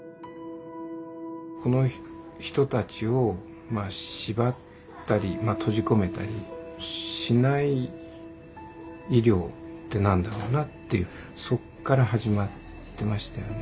この人たちを縛ったり閉じこめたりしない医療って何だろうなっていうそっから始まってましたよね。